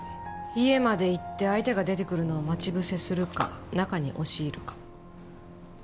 家まで行って相手が出てくるのを待ち伏せするか中に押し入るか。